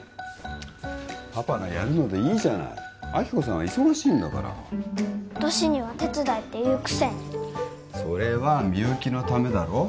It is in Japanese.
パパがやるのでいいじゃない亜希子さんは忙しいんだから私には「手伝え」って言うくせにそれはみゆきのためだろ